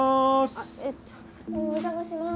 あっえっとお邪魔します。